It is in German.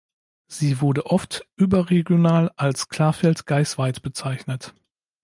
Sie wurde oft überregional als Klafeld-Geisweid bezeichnet.